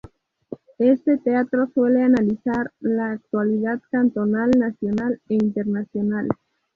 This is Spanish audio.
Este "teatro" suele analizar la actualidad cantonal, nacional e internacional.